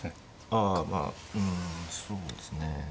あまあうんそうですね